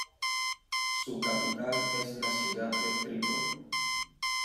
Su capital es la ciudad de Trípoli.